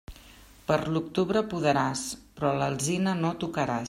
Per l'octubre podaràs, però l'alzina no tocaràs.